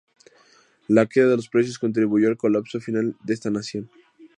La caída de los precios contribuyó al colapso final de esta nación.